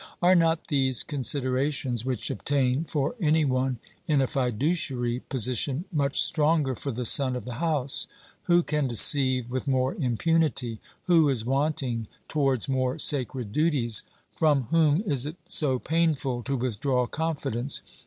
Are not these considerations, which obtain for any one in a fiduciary position, much stronger for the son of the house ? Who can deceive with more impunity? Who is wanting towards more sacred duties? From whom is it so painful to withdraw confidence?